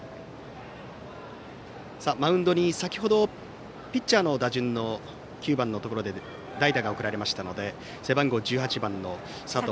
マウンドに先程、ピッチャーの打順の９番のところで代打が送られましたので背番号１８番の佐藤。